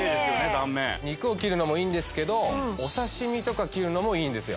断面肉を切るのもいいんですけどお刺身とか切るのもいいんですよ